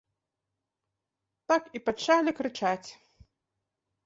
Так і пачалі крычаць.